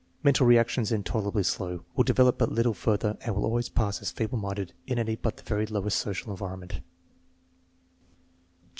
Mental reactions intoler ably slow. Will develop but little further and will always pass as feeble minded in any but the very lowest social environment.